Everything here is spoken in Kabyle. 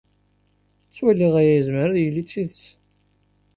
Ttwaliɣ aya yezmer ad yili d tidet.